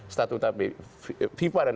statu vipa dan